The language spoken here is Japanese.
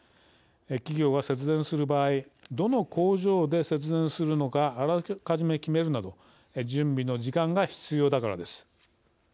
企業が節電する場合どの工場で節電するのかあらかじめ決めるなど準備の時間が必要だからです。